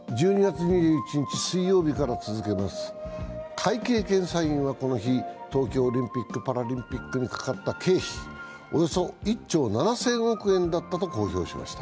会計検査院はこの日、東京オリンピック・パラリンピックにかかった経費、およそ１兆７０００億円だったと公表しました。